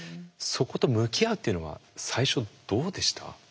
そこと向き合うっていうのは最初どうでした？